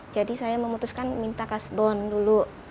jadi saya memutuskan minta kasbon dulu